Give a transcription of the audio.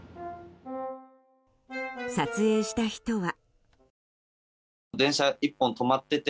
撮影した人は。